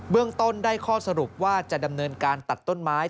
เรื่องต้นได้ข้อสรุปว่าจะดำเนินการตัดต้นไม้